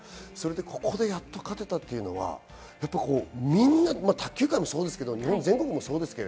ここでやっと勝てたのは卓球界もそうですが、日本全国もそうです。